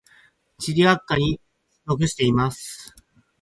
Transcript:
地理学科に属しています。